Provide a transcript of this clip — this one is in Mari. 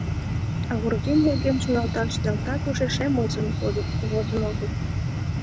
— А вургем нерген шоналташ ялтак ушешем возын огыл.